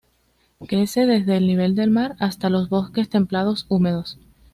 Crece desde el nivel del mar hasta los bosques templados húmedos.